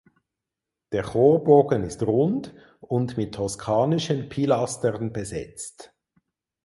Der Chorbogen ist rund und mit toskanischen Pilastern besetzt.